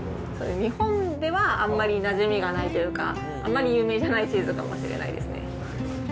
日本ではあんまりなじみがないというか、あまり有名じゃないチーズかもしれないですね。